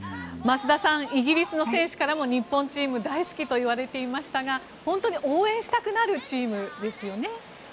増田さん、イギリスの選手からも日本チーム大好きと言われていましたが本当に応援したくなるチームですよね。